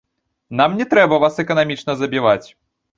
Нам не трэба вас эканамічна забіваць.